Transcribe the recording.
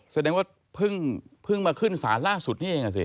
แสดงว่าเพิ่งมาขึ้นศาลล่าสุดนี่เองอ่ะสิ